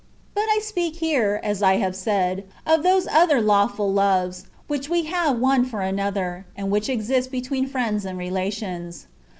But I speak here (as I have said) of those other lawful loves, which we have one for another, and which exist between friends and relations.